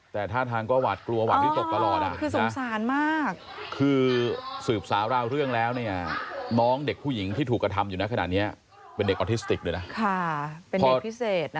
แต่ท่าทางก็หวาดกลัวหวาดวิตกตลอดคือสงสารมากคือสืบสาวราวเรื่องแล้วเนี่ยน้องเด็กผู้หญิงที่ถูกกระทำอยู่ในขณะนี้เป็นเด็กออทิสติกด้วยนะ